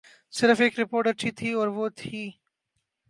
صرف ایک رپورٹ اچھی تھی اور وہ تھی۔